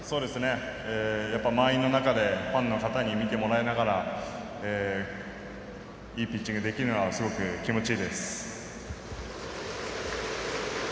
やっぱり満員の中でファンの方に見てもらいながらいいピッチングできるのはすごく気持ちいいです。